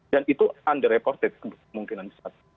dan itu underreported kemungkinan besar